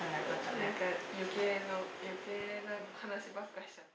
何か余計な余計な話ばっかしちゃって。